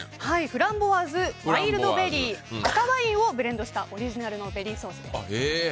フランボワーズワイルドベリー赤ワインをブレンドしたオリジナルのベリーソースです。